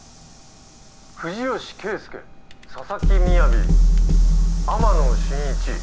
藤吉圭佑佐々木雅天野真一